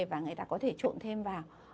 và người ta có thể trộn thêm vào